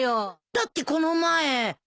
だってこの前。